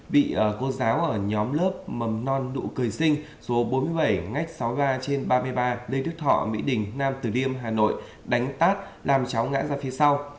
bị cô giáo ở nhóm lớp mầm non đụ cười sinh số bốn mươi bảy ngách sáu mươi ba trên ba mươi ba lê đức thọ mỹ đình nam từ liêm hà nội đánh tát làm cháu ngã ra phía sau